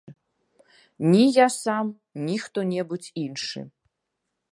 Ні я сам, ні хто-небудзь іншы.